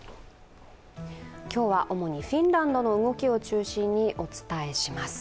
今日は主にフィンランドの動きを中心にお伝えします。